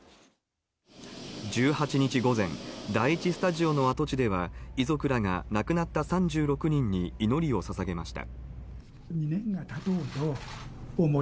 １８日午前第１スタジオの跡地では遺族らが、亡くなった３６人に祈りを捧げました。